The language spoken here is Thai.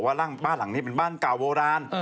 ว่าบ้านหลังนี้เป็นบ้านเก่าโบราณ